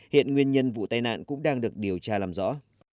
hiện nguyên nhân vụ tai nạn cũng đang được điều tra làm rõ